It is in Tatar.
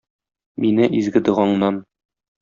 Мине изге догаңнан.